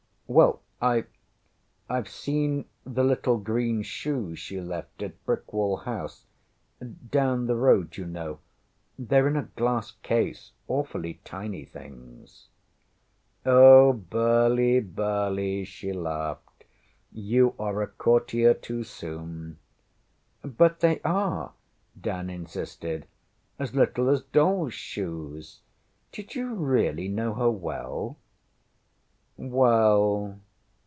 ŌĆśWell, I IŌĆÖve seen the little green shoes she left at Brickwall House down the road, you know. TheyŌĆÖre in a glass case awfully tiny things. ŌĆÖ ŌĆśOh, Burleigh, Burleigh! ŌĆÖ she laughed. ŌĆśYou are a courtier too soon. ŌĆÖ ŌĆśBut they are, ŌĆÖ Dan insisted. ŌĆśAs little as dollsŌĆÖ shoes. Did you really know her well? ŌĆÖ ŌĆśWell.